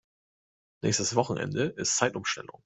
Nächstes Wochenende ist Zeitumstellung.